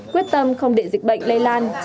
quyết tâm không để dịch bệnh lây lan